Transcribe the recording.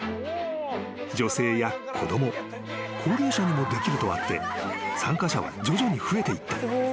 ［女性や子供高齢者にもできるとあって参加者は徐々に増えていった］